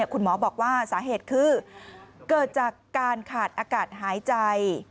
คุณหมอบอกว่าสาเหตุคือเกิดจากการขาดอากาศหายใจ